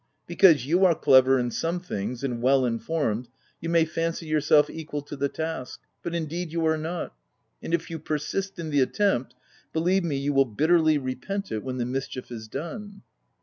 — Because you are clever, in some things, and well in formed, you may fancy yourself equal to the task ; but indeed you are not ; and, if you per sist in the attempt, believe me, you will bit terly repent it when the mischief is done."